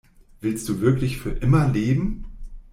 Willst du wirklich für immer leben?